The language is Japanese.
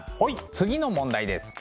次の問題です。